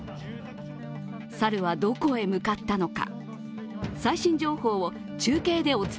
猿はどこへ向かったのか。